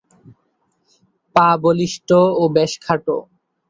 পা বলিষ্ঠ ও বেশ খাটো।